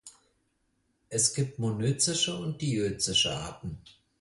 Es gibt monözische und diözische Arten.